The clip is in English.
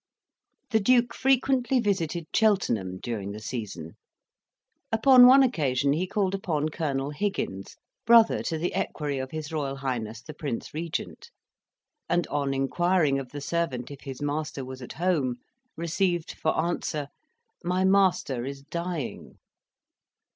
The Duke frequently visited Cheltenham during the season. Upon one occasion, he called upon Colonel Higgins, brother to the equerry of his Royal Highness the Prince Regent, and, on inquiring of the servant if his master was at home, received for answer, "My master is dying."